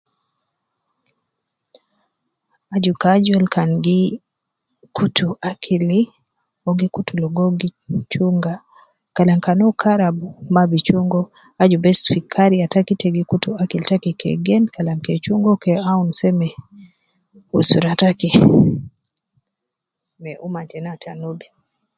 Aju ke ajol kun gi kutu akil , uwo gi kutu logo, uwo gi chunga. Kalam kan uwo karab, mma bi chungowo. Aju bes fi kariya taki , ita gi kitu akil taki kede gen, kalam kede chungowo, kalam kede awun seme usura taki , ma umma tenna ta nubi.